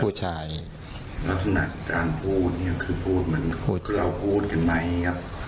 ผู้ชายลักษณะการพูดเนี่ยคือพูดเหมือนเพื่อพูดกันไหมครับ